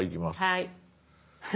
はい。